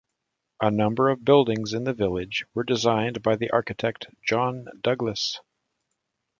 A number of buildings in the village were designed by the architect John Douglas.